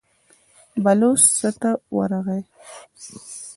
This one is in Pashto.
بلوڅ څا ته ورغی.